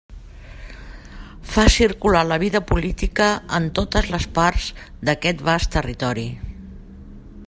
Fa circular la vida política en totes les parts d'aquest vast territori.